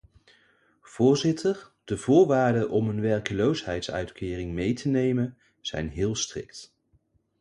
Voorzitter, de voorwaarden om een werkloosheidsuitkering mee te nemen zijn heel strikt.